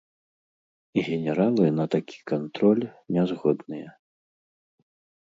Генералы на такі кантроль не згодныя.